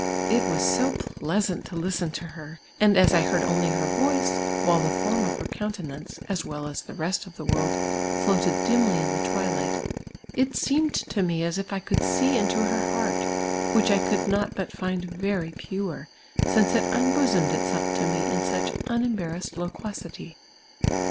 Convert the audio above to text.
It was so pleasant to listen to her, and as I heard only her voice, while the form of her coun tenance, as well as the rest of the world, floated dimly in the twilight, it seemed to me as if I could see into her heart, which I could not but find xcry pure, since it unbosomed itself to me in such unembarrassed loquacity.